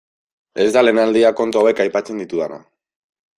Ez da lehen aldia kontu hauek aipatzen ditudana.